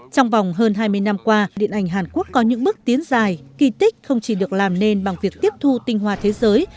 trong vòng hơn hai mươi năm qua điện ảnh hàn quốc có những bước tiến dài kỳ tích không chỉ được làm nên bằng việc tiếp thu tinh hoa thế giới